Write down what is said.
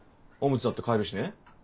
おむつだって替えるしね。